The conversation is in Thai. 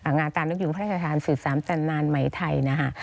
งานตานกรุงพระราชทานสื่อสามตันนานไหมไทย